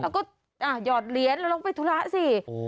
แล้วก็หยอดเหรียญแล้วลงไปธุระสิ